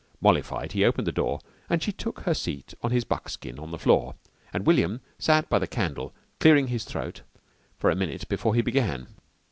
Mollified, he opened the door and she took her seat on his buckskin on the floor, and William sat by the candle, clearing his throat for a minute before he began.